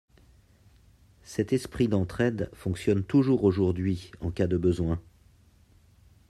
Cet esprit d'entraide fonctionne toujours aujourd'hui en cas de besoin.